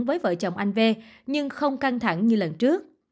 với vợ chồng anh v nhưng không căng thẳng như lần trước